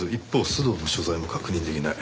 須藤の所在も確認できない。